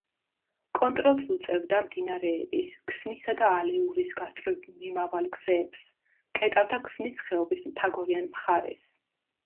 კონტროლს უწევდა მდინარეების ქსნისა და ალეურის გასწვრივ მიმავალ გზებს; კეტავდა ქსნის ხეობის მთაგორიან მხარეს.